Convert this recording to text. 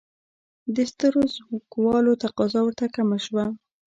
د سترو ځمکوالو تقاضا ورته کمه شوه.